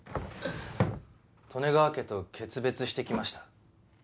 利根川家と決別してきました。